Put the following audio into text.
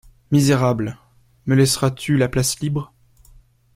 Misérable! me laisseras-tu la place libre?